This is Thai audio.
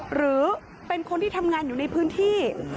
หรือเป็นคนที่ทำงานอยู่ในพื้นที่